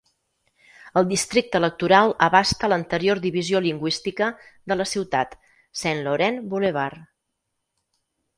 El districte electoral abasta l'anterior divisió lingüística de la ciutat, Saint Laurent Boulevard.